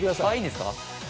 いいんですか？